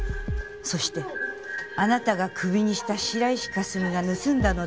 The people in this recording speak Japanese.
そしてあなたがクビにした白石佳澄が盗んだのではないかと思い。